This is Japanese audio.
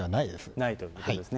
ないということですね。